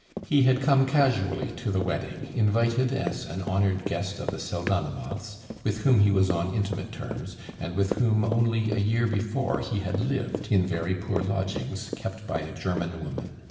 He had come casually to the wedding, invited as an honoured guest of the Pseldonimovs', with whom he was on intimate terms and with whom only a year before he had lived in very poor lodgings, kept by a German woman.